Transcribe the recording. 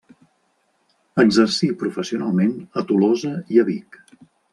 Exercí professionalment a Tolosa i a Vic.